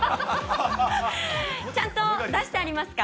ちゃんと出してありますか？